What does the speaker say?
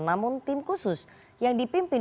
namun tim khusus yang dipimpin